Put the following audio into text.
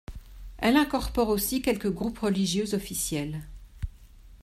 Elle incorpore aussi quelques groupes religieux officiels.